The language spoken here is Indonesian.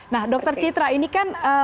nah dokter citra ini kan